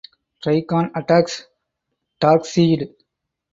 Trigon attacks Darkseid.